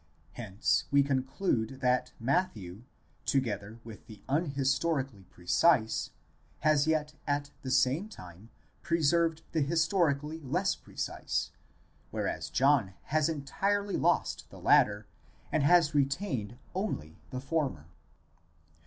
Hence we conclude that Matthew, together with the unhistorically precise, has yet at the same time preserved the historically less precise ; whereas John has en tirely lost the latter and has retained only the former.